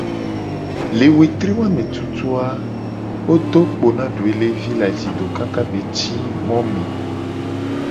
Le wetri wa me tutu a, wo do kpo doelevi le ajido kaka be ci mo me .